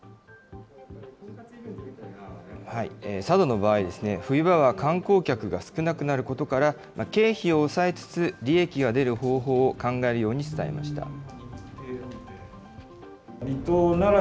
佐渡の場合、冬場は観光客が少なくなることから、経費を抑えつつ利益が出る方法を考えるように伝えました。